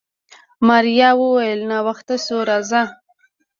ماريا وويل ناوخته شو راځه.